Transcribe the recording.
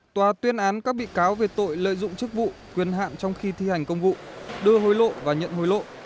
tòa tuyên án các bị cáo về tội lợi dụng chức vụ quyền hạn trong khi thi hành công vụ đưa hối lộ và nhận hối lộ